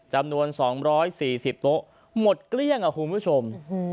จำนวน๒๔๐โต๊ะหมดเกลี้ยงคุณผู้ชม